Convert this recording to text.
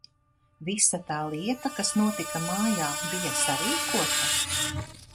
Visa tā lieta, kas notika mājā, bija sarīkota?